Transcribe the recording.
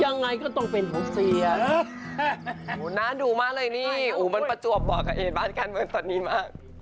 น้าดูมากเลยนี่มันประจวบบอกกับเอนบ้านกันตอนนี้มาก